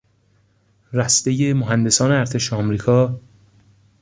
رستهی مهندسان ارتش امریکا